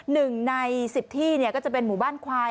หนึ่งใน๑๐ที่ก็จะเป็นหมู่บ้านควาย